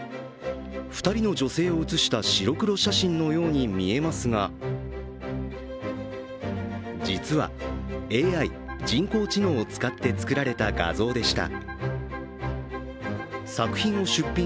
２人の女性を写した白黒写真のように見えますが、実はＡＩ＝人工知能を使って作られた画像でした。